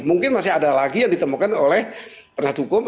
mungkin masih ada lagi yang ditemukan oleh penat hukum